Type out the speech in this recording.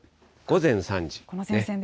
午前３時。